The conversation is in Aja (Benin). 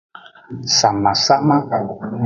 Samasama.